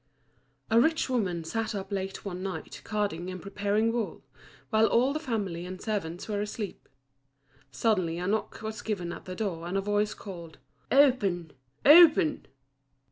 A rich woman sat up late one night carding and preparing wool, while all the family and servants were asleep. Suddenly a knock was given at the door, and a voice called "Open! open!"